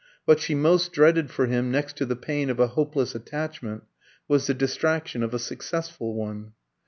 What she most dreaded for him, next to the pain of a hopeless attachment, was the distraction of a successful one.